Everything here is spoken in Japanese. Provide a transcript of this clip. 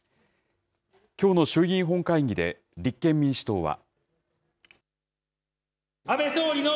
きょうの衆議院本会議で、立憲民主党は。